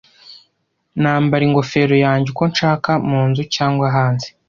Nambara ingofero yanjye uko nshaka mu nzu cyangwa hanze.